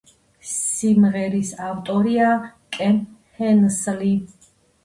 სიმღერის ავტორია კენ ჰენსლი.